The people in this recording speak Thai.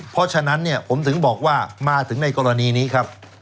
เพราะฉะนั้นเนี่ยผมถึงบอกว่ามาถึงในกรณีนี้ครับ